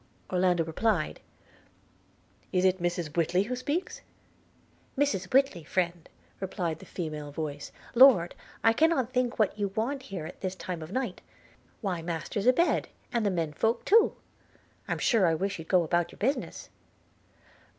Orlando answered, 'Is it Mrs Whitly who speaks?' 'Mrs Whitly, friend!' replied the female voice: 'Lord! I cannot think what you want here at this time o'night; why, master's a bed, and the men folk too – I'm sure I wish you'd go about your business.'